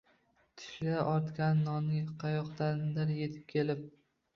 Tushlikdan ortgan nonni qayoqdandir yetib kelib